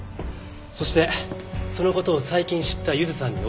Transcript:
そしてその事を最近知ったゆずさんに脅されていた。